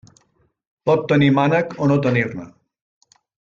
Pot tenir mànec o no tenir-ne.